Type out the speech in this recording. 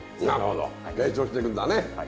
なるほど成長してくんだね。